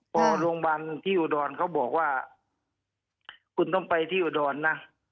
พอโรงพยาบาลที่อุดรเขาบอกว่าคุณต้องไปที่อุดรนะ